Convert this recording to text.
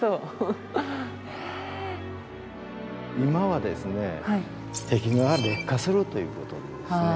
今はですね壁画が劣化するということでですね